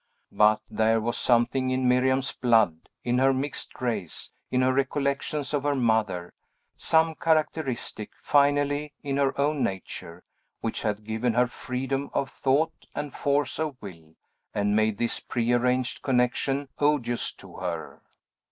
But there was something in Miriam's blood, in her mixed race, in her recollections of her mother, some characteristic, finally, in her own nature, which had given her freedom of thought, and force of will, and made this prearranged connection odious to her.